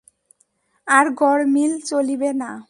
আর গরমিল চলিবে না।